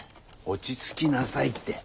落ち着きなさいって。